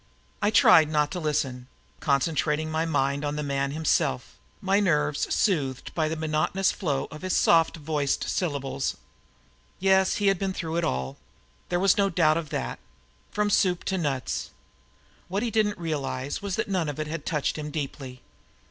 I tried not to listen, concentrating my mind on the man himself, my nerves soothed by the monotonous flow of his soft voiced syllables. Yes, he'd been through it all, there was no doubt of that, from soup to nuts. What he didn't realize was that none of it had ever touched him deeply.